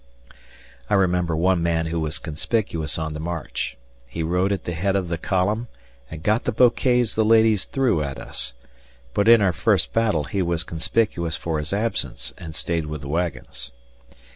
I remember one man who was conspicuous on the march; he rode at the head of the column and got the bouquets the ladies threw at us; but in our first battle he was conspicuous for his absence and stayed with the wagons.